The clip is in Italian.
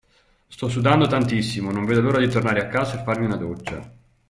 Sto sudando tantissimo, non vedo l'ora di tornare a casa e farmi una doccia.